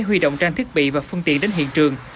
huy động trang thiết bị và phương tiện đến hiện trường